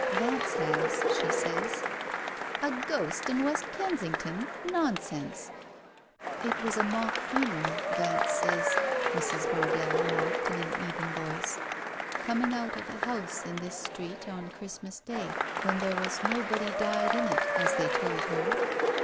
"Vance has, she says." "A ghost in West Kensington ! Nonsense !" "It was a mock funeral, Vance says," Mrs. Mardell remarked in an even voice. "Coming out of a house in this street on Christmas Day, when there was nobody died in it, as they told her."